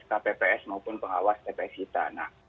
kpps maupun pengawas tps kita